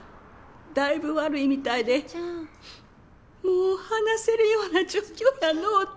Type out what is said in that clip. だいぶ悪いみたいでもう話せるような状況やのうて。